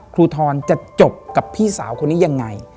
ทรจะจบกับพี่สาวคนนี้ยังไง